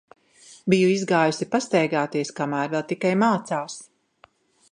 Biju izgājusi pastaigāties, kamēr vēl tikai mācās.